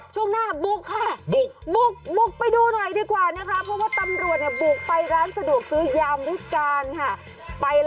ช่วงหน้ากลับมาตามต่อกันแบบชัดใน